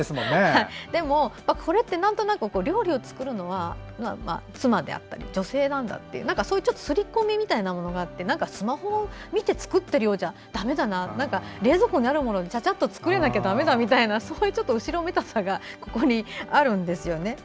でも、これってなんとなく料理を作るのは妻であったり女性なんだというそういうすり込みみたいなものがあってスマホを見て作っているようじゃだめだな冷蔵庫にあるものでちゃちゃっと作れなきゃだめだという後ろめたさがあるんですよね。